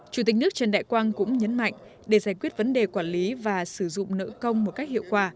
chủ tịch nước trần đại quang cũng nhấn mạnh để giải quyết vấn đề quản lý và sử dụng nợ công một cách hiệu quả